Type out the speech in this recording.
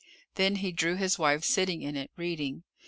Then he drew his wife sitting in it, reading.